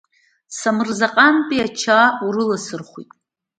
Самырзаҟантәи Ачаа урыласырхәит…